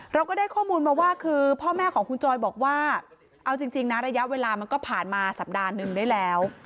เราก็ได้ข้อมูลมาว่าคือพ่อแม่ของคุณจอยบอกว่าเอาจริงนะระยะเวลามันก็ผ่านมาสัปดาห์หนึ่งได้แล้ว